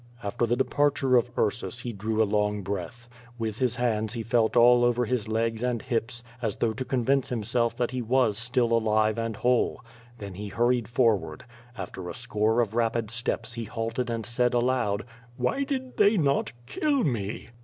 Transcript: After the departure of Ursus he drew a long breath. With his hands he felt all over his legs and hips, as though to con vince himself that he was still alive and whole. Then he hur ried forward. After a score of rapid steps he halted and said aloud: "^\Tiy did they not kill me?"